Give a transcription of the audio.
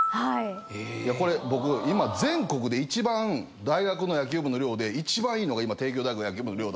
これ僕今全国で一番大学の野球部の寮で一番いいのが帝京大学野球部の寮だと。